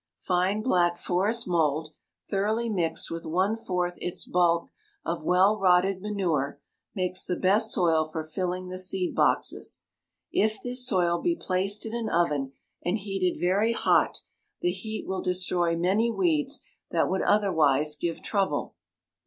Fine black forest mold, thoroughly mixed with one fourth its bulk of well rotted manure, makes the best soil for filling the seed boxes. If this soil be placed in an oven and heated very hot, the heat will destroy many weeds that would otherwise give trouble.